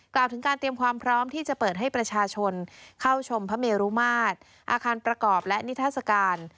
กล่าวถึงการเตรียมความพร้อมที่จะเปิดให้ประชาชนเข้าชมพระเมรุมาตรอาคารประกอบและนิทัศกาล